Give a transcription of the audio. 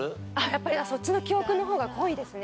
やっぱりそっちの記憶の方が濃いですね。